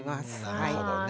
なるほどね。